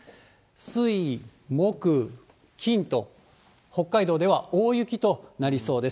水、木、金と北海道では大雪となりそうです。